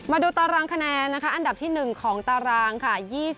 มาดูตารางคะแนนนะคะอันดับที่๑ของตารางค่ะ